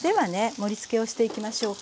盛りつけをしていきましょうか。